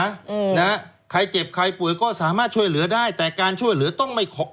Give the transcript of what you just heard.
อืมนะฮะใครเจ็บใครป่วยก็สามารถช่วยเหลือได้แต่การช่วยเหลือต้องไม่ขอ